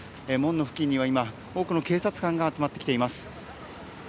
門の付近には今、多くの警察官が集まってきています。